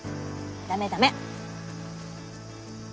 ダメダメ。